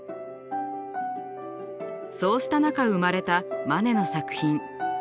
そうした中生まれたマネの作品。